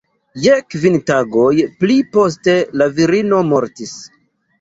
Je kvin tagoj pli poste la virino mortis.